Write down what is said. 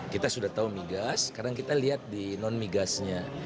kita sudah tahu migas sekarang kita lihat di non migasnya